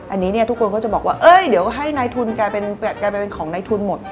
อันนี้เนี่ยทุกคนก็จะบอกว่าเดี๋ยวให้นายทุนกลายเป็นของในทุนหมด